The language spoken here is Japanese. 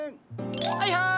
はいはい！